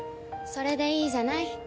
それでいいじゃない。